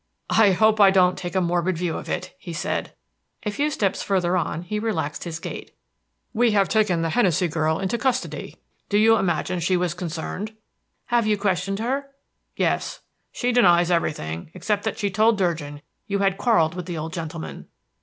"I hope I don't take a morbid view of it," he said. A few steps further on he relaxed his gait. "We have taken the Hennessey girl into custody. Do you imagine she was concerned?" "Have you questioned her?" "Yes; she denies everything, except that she told Durgin you had quarreled with the old gentleman."